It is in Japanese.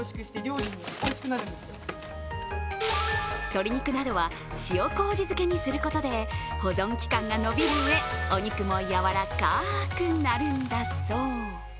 鶏肉などは塩こうじ漬けにすることで、保存期間が延びるうえ、お肉もやわらかくなるんだそう。